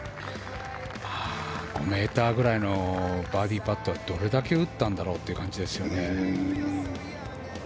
５ｍぐらいのバーディーパットはどれだけ打ったんだろうっていう感じですよね。